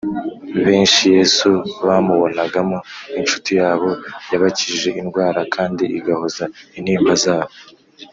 Benshi Yesu bamubonagamo inshuti yabo yabakijije indwara kandi igahoza intimba zabo